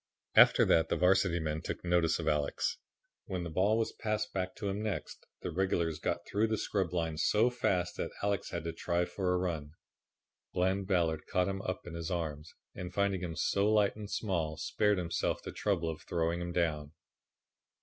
After that the Varsity men took notice of Alex. When the ball was passed back to him next the regulars got through the scrub line so fast that Alex had to try for a run. Bland Ballard caught him up in his arms, and finding him so light and small, spared himself the trouble of throwing him down.